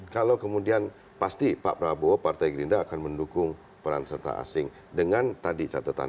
kalau kemudian pasti pak prabowo partai gerinda akan mendukung peran serta asing dengan tadi catatan